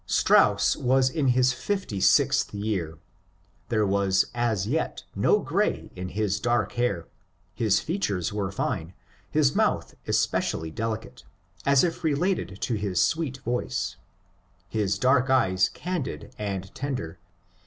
Strauss was in his fifty sixth year. There was as yet no grey in his dark hair ; his features were fine, his mouth espe cially ddicate, as if related to hi» sweet voice ; his dark eyes candid and tender.